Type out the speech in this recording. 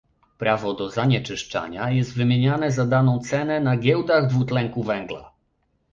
Prawo do zanieczyszczania jest wymieniane za daną cenę na "giełdach" dwutlenku węgla